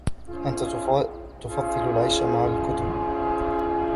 أنتَ تفضِّل العيش مع الكتب.